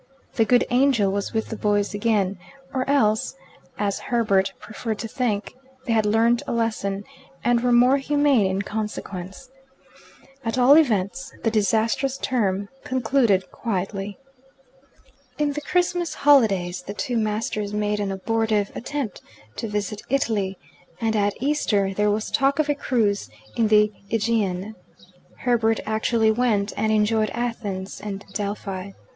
The good angel was with the boys again, or else (as Herbert preferred to think) they had learnt a lesson, and were more humane in consequence. At all events, the disastrous term concluded quietly. In the Christmas holidays the two masters made an abortive attempt to visit Italy, and at Easter there was talk of a cruise in the Aegean. Herbert actually went, and enjoyed Athens and Delphi.